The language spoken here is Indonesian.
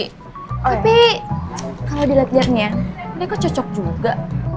tapi kalo diliat liatnya dia kok cocok juga